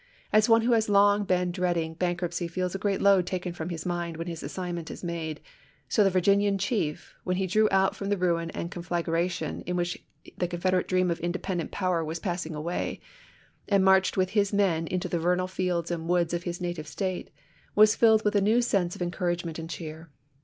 As one who has long been dreading bank ruptcy feels a great load taken from his mind when his assignment is made, so the Virginian chief, when he drew out from the ruin and conflagration in which the Confederate dream of independent power was passing away, and marched with his men into the vernal fields and woods of his native State, was filled with a new sense of encourage ment and cheer.